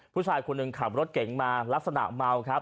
ผู้ชายคนหนึ่งขับรถเก่งมาลักษณะเมาครับ